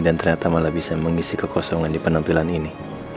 dan ternyata malah bisa mengisi kekosongan di penampilan ini